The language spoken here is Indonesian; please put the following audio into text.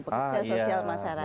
pekerja sosial masyarakat